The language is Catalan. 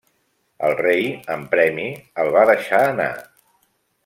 El rei, en premi, el va deixar anar.